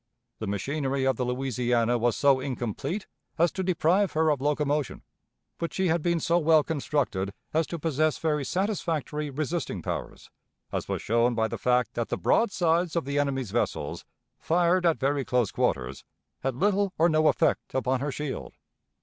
The machinery of the Louisiana was so incomplete as to deprive her of locomotion, but she had been so well constructed as to possess very satisfactory resisting powers, as was shown by the fact that the broadsides of the enemy's vessels, fired at very close quarters, had little or no effect upon her shield.